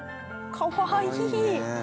かわいいね。